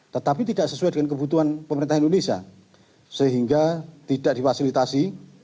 tetapi tidak sesuai dengan kebutuhan pemerintah indonesia sehingga tidak difasilitasi